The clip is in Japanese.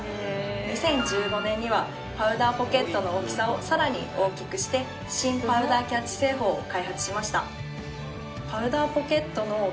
２０１５年にはパウダーポケットの大きさをさらに大きくして新パウダーキャッチ製法を開発しました。